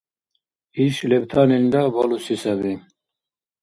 Иш лебтанилра балуси саби.